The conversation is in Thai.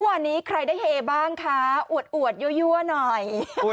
วันนี้ใครได้เฮบ้างคะอวดยั่วหน่อย